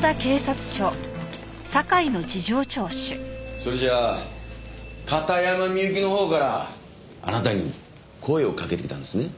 それじゃあ片山みゆきの方からあなたに声をかけてきたんですね？